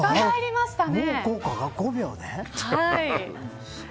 もう効果が５秒で。